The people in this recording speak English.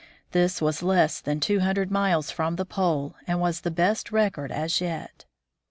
This was less than two hundred miles from the Pole, and was the best record as yet.